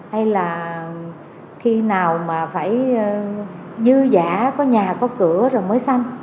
hay là khi nào mà phải dư giả có nhà có cửa rồi mới xanh